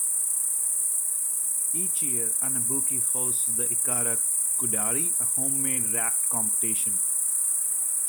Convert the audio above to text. Each year, Anabuki hosts the Ikada Kudari, a homemade raft competition.